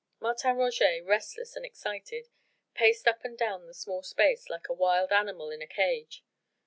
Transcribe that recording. Martin Roget, restless and excited, paced up and down the small space like a wild animal in a cage.